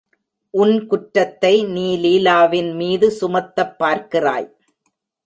உன் குற்றத்தை நீ லீலாவின் மீது சுமத்தப் பார்க்கிறாய்.